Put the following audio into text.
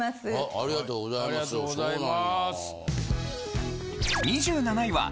ありがとうございます。